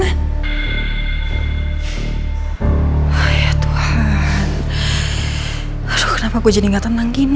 aku harus mencari andin